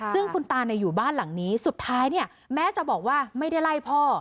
ซึ่งคุณตาอยู่บ้านหลังนี้สุดท้ายเนี่ยแม้จะบอกว่าไม่ได้ไล่พ่อ